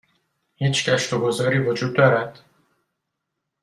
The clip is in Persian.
هیچ گشت و گذاری وجود دارد؟